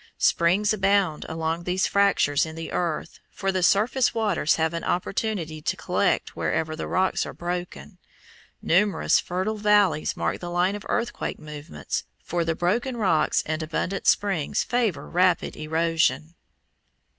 Springs abound along these fractures in the earth, for the surface waters have an opportunity to collect wherever the rocks are broken. Numerous fertile valleys mark the line of earthquake movements, for the broken rocks and abundant springs favor rapid erosion.